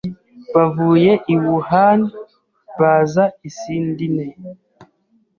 bavuye i Wuhan baza i Sydney